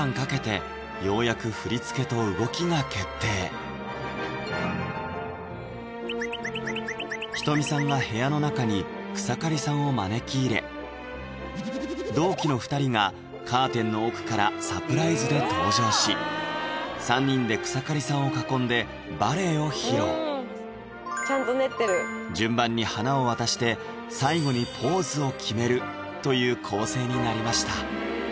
何かちょっと仁美さんが部屋の中に草刈さんを招き入れ同期の２人がカーテンの奥からサプライズで登場し３人で草刈さんを囲んでバレエを披露順番に花を渡して最後にポーズを決めるという構成になりました